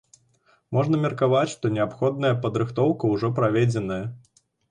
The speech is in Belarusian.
Можна меркаваць, што неабходная падрыхтоўка ўжо праведзеная.